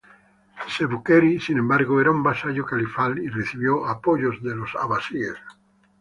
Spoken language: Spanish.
Sebük-eri, sin embargo, era un vasallo califal y recibió apoyo de los abasíes.